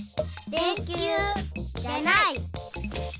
電きゅうじゃない。